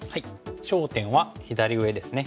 焦点は左上ですね。